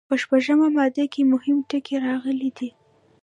په شپږمه ماده کې مهم ټکي راغلي دي.